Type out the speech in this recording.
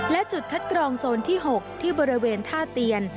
และจุดคัดกรองโซนที่๖ที่บริเวณท่าเตียน